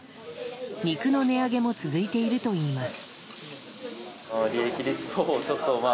肉の値上げも続いているといいます。